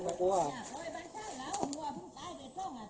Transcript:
เหลืองเท้าอย่างนั้น